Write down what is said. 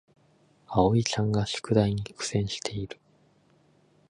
あおいちゃんが宿題に苦戦している